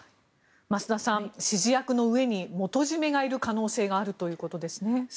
増田さん指示役の上に元締がいる可能性があるということですね。